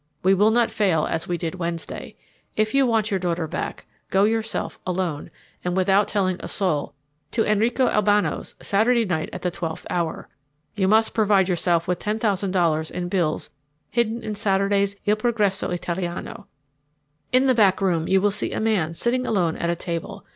We will not fail as we did Wednesday. If you want your daughter back, go yourself, alone and without telling a soul, to Enrico Albano's Saturday night at the twelfth hour. You must provide yourself with $10,000 in bills hidden in Saturday's Il Progresso Italiano. In the back room you will see a man sitting alone at a table.